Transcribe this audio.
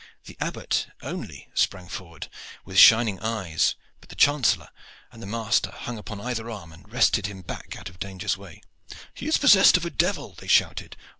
The Abbot only sprang forward with shining eyes; but the chancellor and the master hung upon either arm and wrested him back out of danger's way. "He is possessed of a devil!" they shouted.